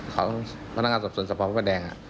ของพนักงานส่วนสมสมภาพแว่นแดงอ่ะ